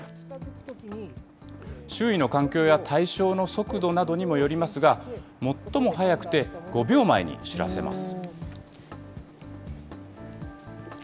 周囲の環境や対象の速度などにもよりますが、最も早くて５秒前に知らせます。